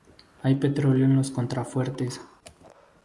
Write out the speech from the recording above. Hay petróleo en los contrafuertes.